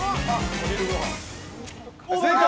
正解！